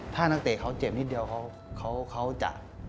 ถ้านักเตะเขาเจ็บนิดเดียวเขาจะ